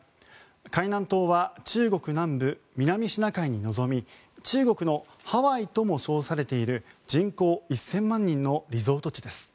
海南島は中国南部、南シナ海に臨み中国のハワイとも称されている人口１０００万人のリゾート地です。